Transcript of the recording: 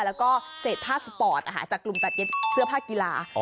แล้วก็เศษผ้าสปอร์ตจากกลุ่มตัดเย็ดเสื้อผ้ากีฬา